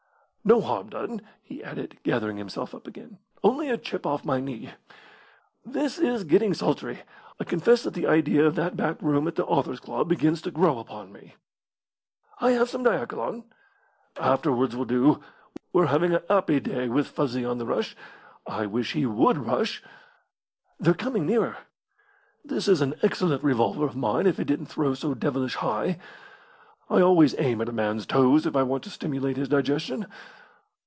"No harm done," he added, gathering himself up again; "only a chip off my knee. This is getting sultry. I confess that the idea of that back room at the Authors' Club begins to grow upon me." "I have some diachylon." "Afterwards will do. We're having a 'appy day with Fuzzy on the rush. I wish he would rush." "They're coming nearer." "This is an excellent revolver of mine if it didn't throw so devilish high. I always aim at a man's toes if I want to stimulate his digestion.